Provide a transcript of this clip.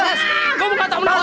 gue sibuk gue mau dapet sayur